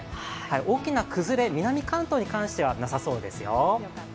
大きな崩れ、南関東に関してはなさそうですよ。